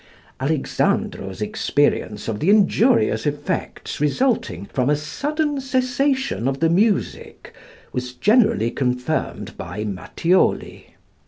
Alexandro's experience of the injurious effects resulting from a sudden cessation of the music was generally confirmed by Matthioli.